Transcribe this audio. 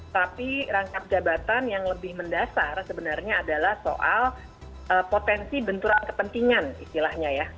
tapi rangkap jabatan yang lebih mendasar sebenarnya adalah soal potensi benturan kepentingan istilahnya ya